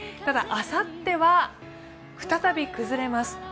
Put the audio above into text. ただ、あさっては再び崩れます。